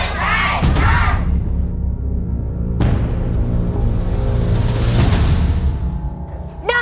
ได้ครับ